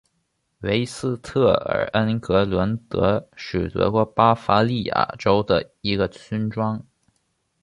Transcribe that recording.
韦斯特尔恩格伦德是德国巴伐利亚州的一个村庄。